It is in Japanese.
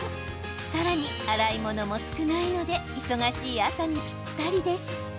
さらに洗い物も少ないので忙しい朝に、ぴったりです。